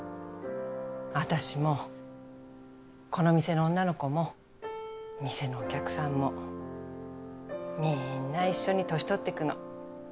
私もこの店の女の子も店のお客さんもみんな一緒に年取ってくの。